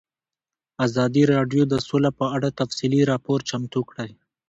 ازادي راډیو د سوله په اړه تفصیلي راپور چمتو کړی.